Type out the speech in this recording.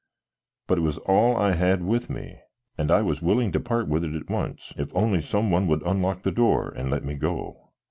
But it was all I had with me, and I was willing to part with it at once if only some one would unlock the door and let me go.